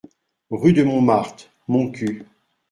Rue de Montmartre, Montcuq